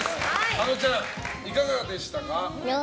あのちゃん、いかがでしたか？